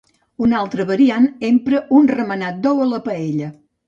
Una altra variant empra un remenat d'ou a la paella.